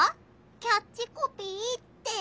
キャッチコピーって？